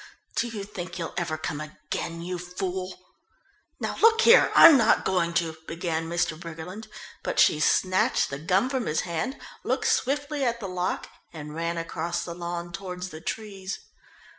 Do you think he'll ever come again, you fool?" "Now look here, I'm not going to " began Mr. Briggerland, but she snatched the gun from his hand, looked swiftly at the lock and ran across the lawn toward the trees.